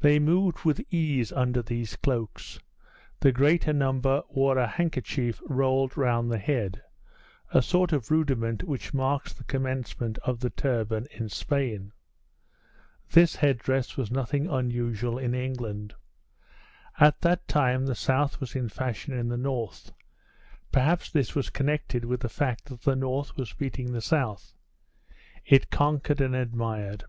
They moved with ease under these cloaks. The greater number wore a handkerchief rolled round the head a sort of rudiment which marks the commencement of the turban in Spain. This headdress was nothing unusual in England. At that time the South was in fashion in the North; perhaps this was connected with the fact that the North was beating the South. It conquered and admired.